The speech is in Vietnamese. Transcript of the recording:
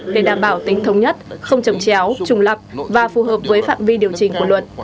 để đảm bảo tính thống nhất không chấm chéo trùng lập và phù hợp với phạm vi điều chỉnh của luật